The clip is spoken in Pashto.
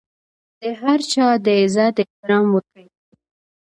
د هر چا د عزت احترام وکړئ.